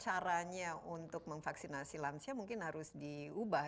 caranya untuk memvaksinasi lansia mungkin harus diubah